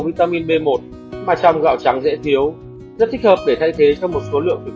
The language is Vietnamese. vitamin b một mà trong gạo trắng dễ thiếu rất thích hợp để thay thế cho một số lượng từ